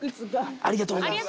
ありがとうございます。